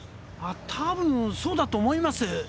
たぶんそうだと思います